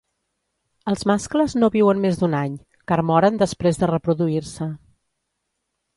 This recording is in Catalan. Els mascles no viuen més d'un any, car moren després de reproduir-se.